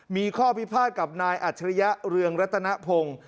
มีข้อพิพาทกับนายอัจฉริยะเรืองรัตนพงศ์